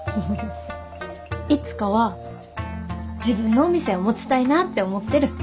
いつかは自分のお店を持ちたいなって思ってる。